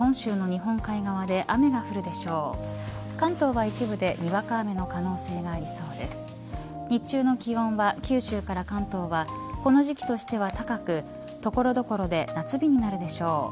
日中の気温は九州から関東はこの時期としては高く所々で夏日になるでしょう。